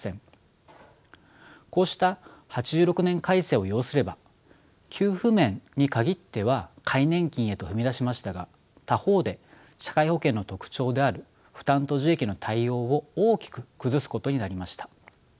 こうした８６年改正を要すれば給付面に限っては皆年金へと踏み出しましたが他方で社会保険の特徴である負担と受益の対応を大きく崩すことになりました。